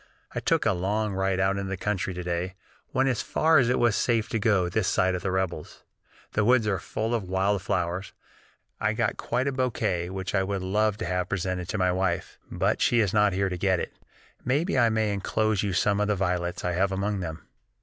I took a long ride out into the country to day; went as far as it was safe to go this side of the rebels. The woods are full of wild flowers; I got quite a bouquet which I would love to have presented to my wife, but she was not here to get it; maybe I may enclose you some of the violets I have among them."